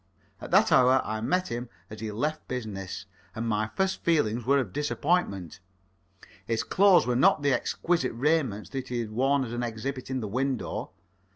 At that hour I met him as he left business, and my first feelings were of disappointment. His clothes were not the exquisite raiment that he had worn as an exhibit in the window.